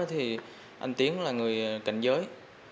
thì anh tiến là người cảnh giới